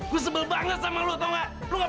gue sebel banget sama lo tau gak